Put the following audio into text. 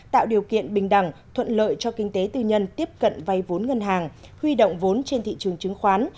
tạo điều kiện bình đẳng thuận lợi cho kinh tế tư nhân tiếp cận vay vốn ngân hàng huy động vốn trên thị trường chứng khoán